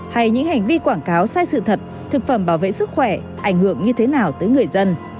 hay những hành vi quảng cáo sai sự thật thực phẩm bảo vệ sức khỏe ảnh hưởng như thế nào tới người dân